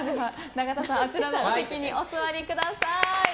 永田さん、あちらのお席にお座りください。